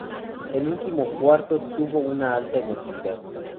El último cuarto tuvo una alta emotividad.